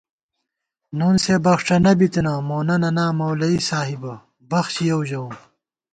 نُن سےبخڄَنہ بِتَنہ، مونہ ننا مولوی صاحِبہ بخچِیَؤ ژَوُم